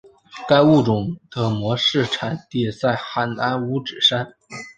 该物种的模式产地在海南五指山。